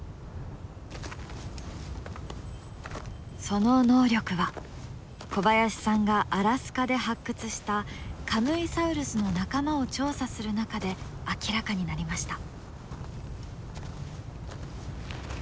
その能力は小林さんがアラスカで発掘したカムイサウルスの仲間を調査する中で明らかになりました。